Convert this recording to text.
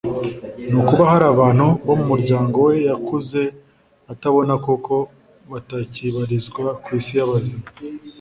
ni ukuba hari abantu bo mu muryango we yakuze atabona kuko batakibarizwa ku Isi y’abazima